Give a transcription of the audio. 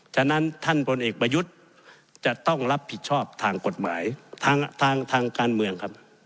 ฉะนั้นท่านบนเอกประยุทธ์จะต้องรับผิดชอบทางการเมือง